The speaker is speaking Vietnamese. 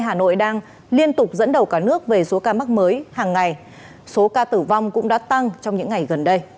hà nội có trên sáu mươi ca nặng